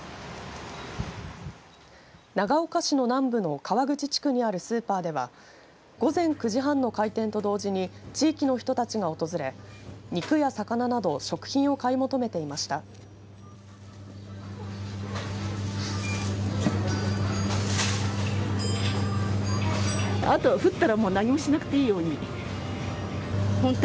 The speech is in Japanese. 長岡市の南部の川口地区にあるスーパーでは午前９時半の開店と同時に地域の人たちが訪れ肉や魚など食品を買い求めていました。